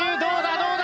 どうだ？